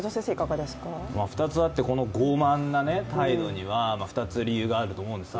この傲慢な態度には２つ理由があると思うんですよ。